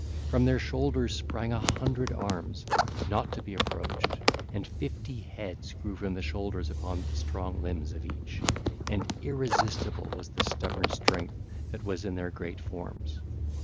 From their shoulders sprang an hundred arms, not to be approached, and each had fifty heads upon his shoulders on their strong limbs, and irresistible was the stubborn strength that was in their great forms.